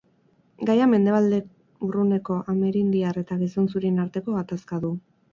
Gaia Mendebalde Urruneko Amerindiar eta gizon zurien arteko gatazka du.